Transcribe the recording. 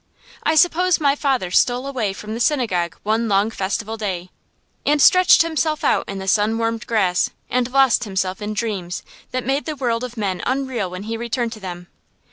I suppose my father stole away from the synagogue one long festival day, and stretched himself out in the sun warmed grass, and lost himself in dreams that made the world of men unreal when he returned to them.